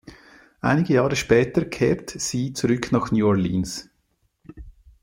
Einige Jahre später kehrt sie zurück nach New Orleans.